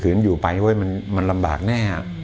คืออยู่ไปมันลำบากแน่